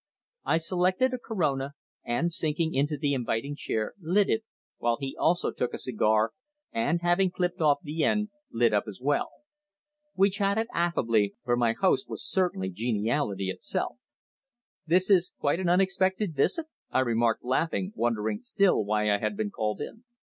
I selected a Corona, and sinking into the inviting chair, lit it, while he also took a cigar, and having clipped off the end, lit up as well. We chatted affably, for my host was certainly geniality itself. "This is quite an unexpected visit!" I remarked laughing, wondering still why I had been called in.